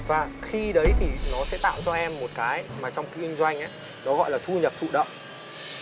và khi đấy thì nó sẽ tạo cho em một cái mà trong kinh doanh nó gọi là thu nhập thụ động